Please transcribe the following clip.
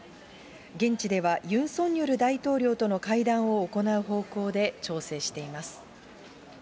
現地では、ユン・ソンニョル大統領との会談を行う方向で調整しています。